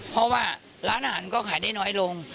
เพราะว่าร้านอาหารก็ขายได้น้อยลง